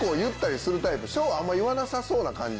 しょうはあんま言わなさそうな感じか。